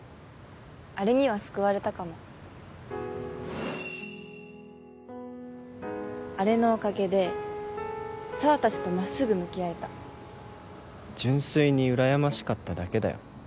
あれには救われたかもあれのおかげで紗羽達とまっすぐ向き合えた純粋にうらやましかっただけだよ